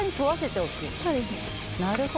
そうです。